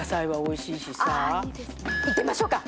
いってみましょうか。